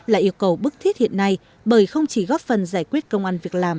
là yêu cầu bức thiết hiện nay bởi không chỉ góp phần giải quyết công an việc làm